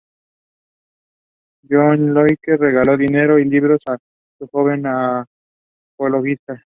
John Locke regaló dinero y libros a su joven apologista.